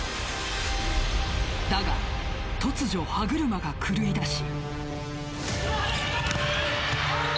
だが、突如、歯車が狂いだし。